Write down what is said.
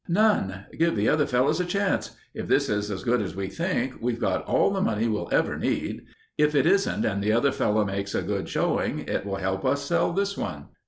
"None. Give the other fellow a chance. If this is as good as we think, we've got all the money we'll ever need. If it isn't and the other fellow makes a good showing it will help us sell this one."